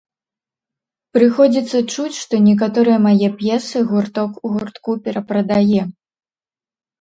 Прыходзіцца чуць, што некаторыя мае п'есы гурток гуртку перапрадае.